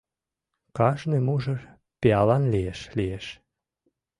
Кажне мужыр пиалан лиеш, лиеш.